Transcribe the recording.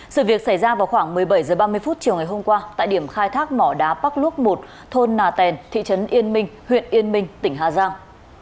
sự việc xảy ra vào khoảng một mươi bảy h ba mươi chiều ngày hôm qua tại điểm khai thác mỏ đá park luốc một thôn nà tèn thị trấn yên minh huyện yên minh tỉnh hà giang